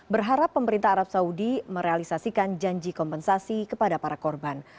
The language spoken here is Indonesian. berharap pemerintah arab saudi merealisasikan janji kompensasi kepada para korban